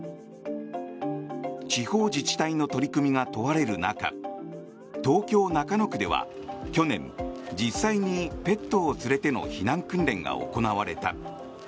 地方自治体の取り組みが問われる中東京・中野区では去年実際にペットを連れての避難訓練が行われた。